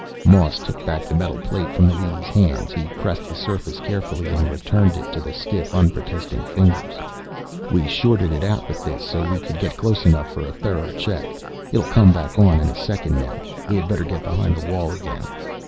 Moss took back the metal plate from the leady's hands. He pressed the surface carefully and returned it to the stiff, unprotesting fingers. "We shorted it out with this, so we could get close enough for a thorough check. It'll come back on in a second now. We had better get behind the wall again."